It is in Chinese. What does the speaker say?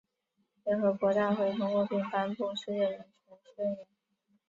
联合国大会通过并颁布《世界人权宣言》。